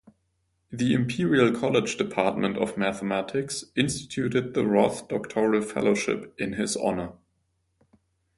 The Imperial College Department of Mathematics instituted the Roth Doctoral Fellowship in his honour.